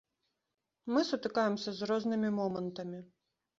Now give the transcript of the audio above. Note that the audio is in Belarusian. Мы сутыкаемся з рознымі момантамі.